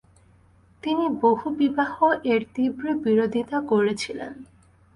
তিনি বহুবিবাহ এর তীব্র বিরোধিতা করেছিলেন।